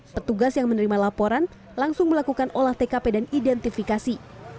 petugas yang menerima laporan langsung melakukan olah tkp dan identifikasi